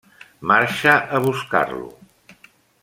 Marxa a buscar-lo.